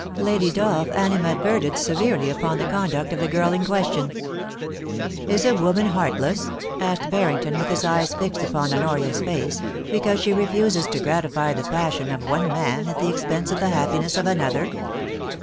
Lady Dolph ani madverted severely upon the conduct of the girl in question. * Is a woman heartless,' asked Barrington, with his eyes fixed upon Honoria's face, * because she refuses to gratify the passion of one man at the expense of the happiness of another?'